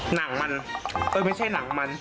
หนังมันไม่ใช่หนังมัน